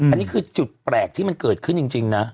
อันนี้คือจุดแปลกที่มันเกิดขึ้นจริงนะ